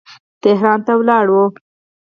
تهران ته ولاړ.